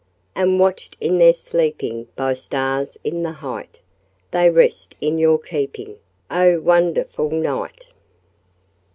And watched in their sleeping By stars in the height, They rest in your keeping, Oh, wonderful night.